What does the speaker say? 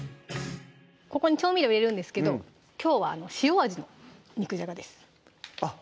ここに調味料入れるんですけどきょうは塩味の肉じゃがですあっ